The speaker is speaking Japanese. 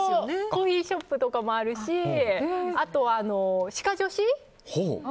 コーヒーショップとかもあるしあと、歯科助士。